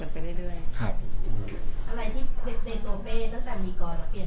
อะไรที่ในตัวเป้เกินไปเยอะมาก